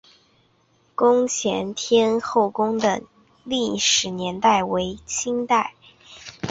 宫前天后宫的历史年代为清代。